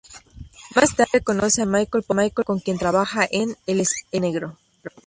Más tarde conoce a Michael Powell, con quien trabaja en "El espía negro".